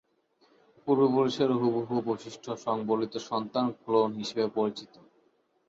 পূর্বপুরুষের হুবহু বৈশিষ্ট্য সংবলিত সন্তান ক্লোন হিসেবে পরিচিত।